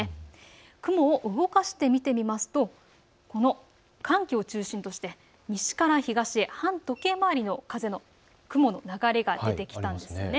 雲を動かしてみますとこの寒気を中心として西から東へ反時計回りの風、雲の流れが出てきたんです。